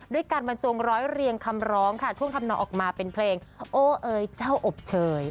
การบรรจงร้อยเรียงคำร้องค่ะท่วงทำนองออกมาเป็นเพลงโอเอ๋ยเจ้าอบเชย